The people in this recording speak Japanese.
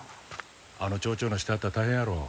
あの町長の下やったら大変やろ。